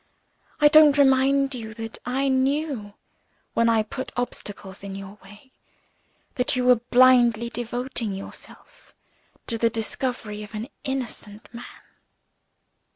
I don't remind you that I knew when I put obstacles in your way that you were blindly devoting yourself to the discovery of an innocent man."